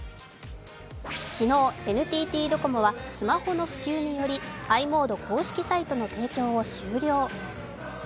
昨日、ＮＴＴドコモはスマホの普及により、ｉモード公式サイトの提供を終了。